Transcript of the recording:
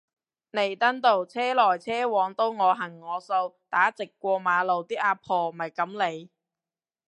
彌敦道車來車往都我行我素打直過馬路啲阿婆咪噉嚟